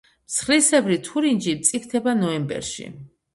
მსხლისებრი თურინჯი მწიფდება ნოემბერში.